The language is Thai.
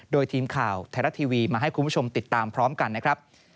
โดยทีมข่าวไทยรัฐทีวีมาให้คุณผู้ชมติดตามพร้อมกันนะครับ